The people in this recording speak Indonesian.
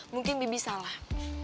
mungkin bibi salah